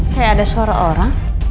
kayak ada suara orang